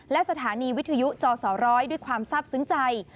และสถานีวิทยุจสร้อยด้วยความทราบซึ้งใจ